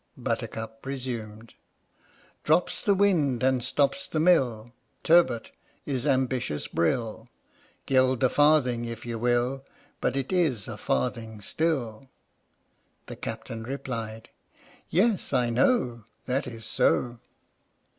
Buttercup resumed : Drops the wind and stops the mill ; Turbot is ambitious brill ; Gild the farthing if you will, But it is a farthing still. The Captain replied Yes, I know That is so.